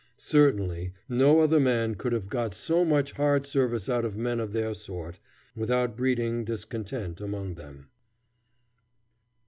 Certainly no other man could have got so much hard service out of men of their sort, without breeding discontent among them.